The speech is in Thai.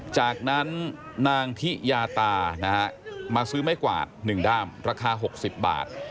จากนั้นนางทิยาตามาซื้อไม้กวาด๑ด้ามราคา๖๐บาท